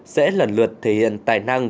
sẽ lần lượt thể hiện tài năng